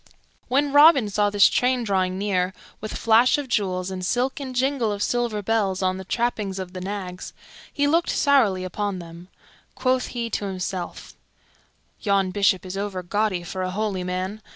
When Robin saw this train drawing near, with flash of jewels and silk and jingle of silver bells on the trappings of the nags, he looked sourly upon them. Quoth he to himself, "Yon Bishop is overgaudy for a holy man.